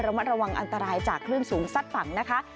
มัดระวังอันตรายจากคลื่นสูงซัดฝั่งนะคะ